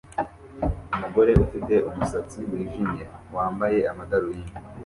Umugore ufite umusatsi wijimye wambaye amadarubindi